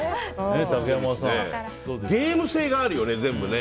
ゲーム性があるよね、全部。